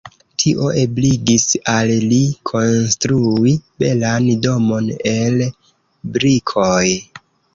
Tio ebligis al li konstrui belan domon el brikoj.